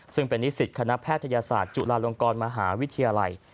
ซึ่งเป็นนิสิตคณะแพทยศาสตร์จุฬาลงกรมหาวิทยาลัย